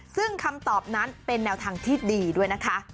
ซึ่งคำตอบนั้นเป็นแนวทางที่ดีด้วยนะคะ